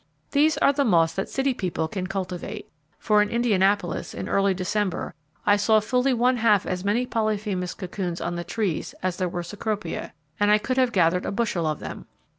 These are the moths that city people can cultivate, for in Indianapolis, in early December, I saw fully one half as many Polyphemus cocoons on the trees as there were Cecropia, and I could have gathered a bushel of them.